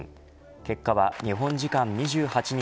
結果は日本時間２８日